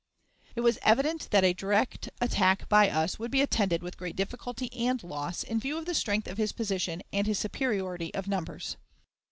It was evident that a direct attack by us would be attended with great difficulty and loss, in view of the strength of his position and his superiority of numbers.